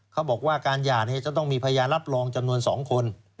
เขาบอกว่าการหย่าจะต้องมีพยานรับรองจำนวน๒คน